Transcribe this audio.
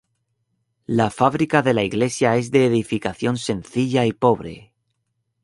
La fábrica de la iglesia es de edificación sencilla y pobre.